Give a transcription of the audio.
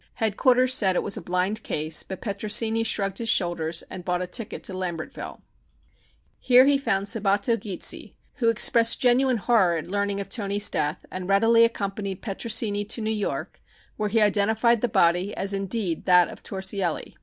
Headquarters said it was a blind case, but Petrosini shrugged his shoulders and bought a ticket to Lambertville. Here he found Sabbatto Gizzi, who expressed genuine horror at learning of Toni's death and readily accompanied Petrosini to New York, where he identified the body as indeed that of Torsielli.